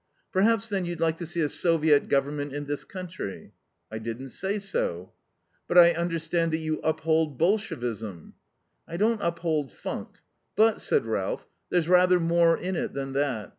"Perhaps, then, you'd like to see a Soviet Government in this country?" "I didn't say so." "But I understand that you uphold Bolshevism?" "I don't uphold funk. But," said Ralph, "there's rather more in it than that.